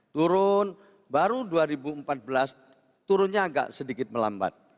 turun baru dua ribu empat belas turunnya agak sedikit melambat